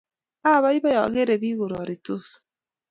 Apaipai akere piik kororitos